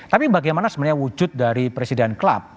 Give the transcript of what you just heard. tapi bagaimana sebenarnya wujud dari presiden klub